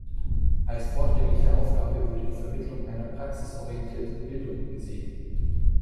Als vordringliche Aufgabe wurde die Vermittlung einer praxisorientierten Bildung gesehen.